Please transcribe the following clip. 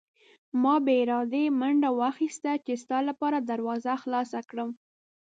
ما بې ارادې منډه واخیسته چې ستا لپاره دروازه خلاصه کړم.